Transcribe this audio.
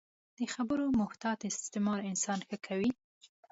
د خبرو محتاط استعمال انسان ښه کوي